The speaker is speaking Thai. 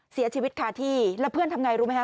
เสียชีวิตคาที่แล้วเพื่อนทำไงรู้ไหมค